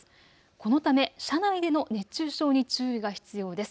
このため車内での熱中症に注意が必要です。